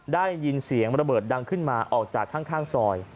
ได้ยินเสียงระเบิดดังขึ้นมาออกจากข้างซอย